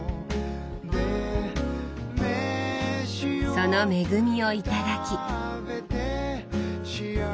その恵みを頂き。